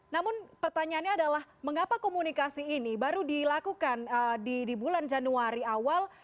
namun pertanyaannya adalah mengapa komunikasi ini baru dilakukan di bulan januari awal